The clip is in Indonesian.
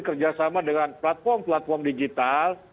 kerjasama dengan platform platform digital